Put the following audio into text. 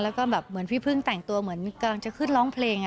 แล้วก็แบบเหมือนพี่พึ่งแต่งตัวเหมือนกำลังจะขึ้นร้องเพลง